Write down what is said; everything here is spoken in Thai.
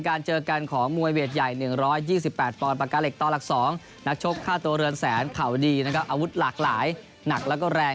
ฆ่าตัวเรือนแสนเข่าดีนะครับอาวุธหลากหลายหนักแล้วก็แรง